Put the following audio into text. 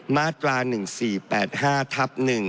มาตรา๑๔๘๕ทับ๑